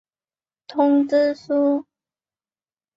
通知书。